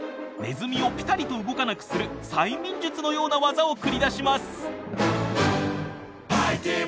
ネズミをピタリと動かなくする催眠術のような技を繰り出します。